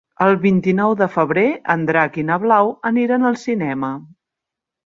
El vint-i-nou de febrer en Drac i na Blau aniran al cinema.